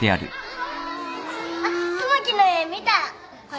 あっ友樹の絵見たこれ。